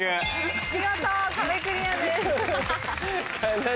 見事壁クリアです。